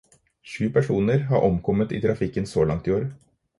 Sju personer har omkommet i trafikken så langt i år.